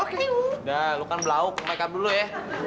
oke udah lu kan belauk make up dulu ya